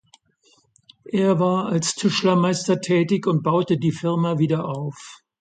Er war als Tischlermeister tätig und baute die Firma wieder auf.